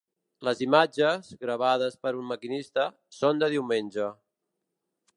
Les imatges, gravades per un maquinista, són de diumenge.